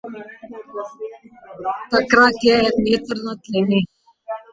Takrat je en meter nad tlemi.